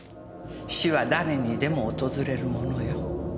死は誰にでも訪れるものよ。